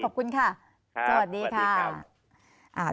ขอบคุณค่ะสวัสดีค่ะสวัสดีครับสวัสดีครับสวัสดีครับ